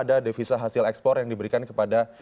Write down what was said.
ada devisa hasil ekspor yang diberikan kepada